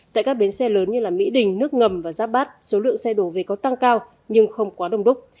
tại các bến xe lớn như mỹ đình nước ngầm và giáp bát số lượng xe đổ về có tăng cao nhưng không quá đông đúc